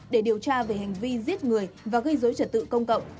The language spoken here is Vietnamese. để điều tra về hành vi giết người và gây dối trật tự công cộng